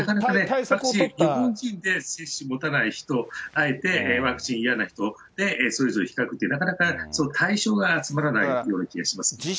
なかなか日本人で接種持たない人、あえてワクチン嫌な人、それぞれ比較というのは、なかなか対象が集まらないような気がします。